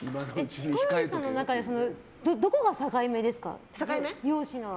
ヒコロヒーさんの中でどこが境目ですか？